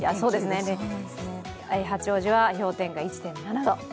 八王子は氷点下１．７度。